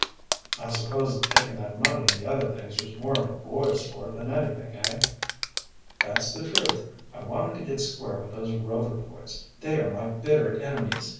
"I suppose taking that money and the other things was more of boy's sport than anything, eh?" "That's the truth. I wanted to get square with those Rover boys. They are my bitter enemies.